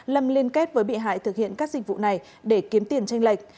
lâm liên kết với bị hại thực hiện các dịch vụ này để kiếm tiền tranh lệch